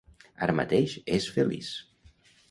Ara mateix, és feliç.